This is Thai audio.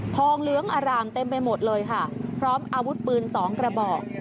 เหลืองอารามเต็มไปหมดเลยค่ะพร้อมอาวุธปืนสองกระบอก